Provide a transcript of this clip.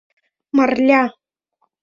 Марля.